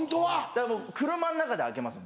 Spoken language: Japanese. だから車の中で開けます